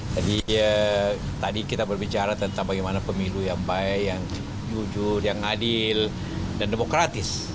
jadi tadi kita berbicara tentang bagaimana pemilu yang baik yang jujur yang adil dan demokratis